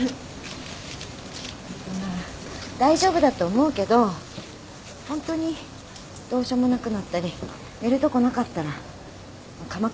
まあ大丈夫だと思うけどホントにどうしようもなくなったり寝るとこなかったら鎌倉来ていいから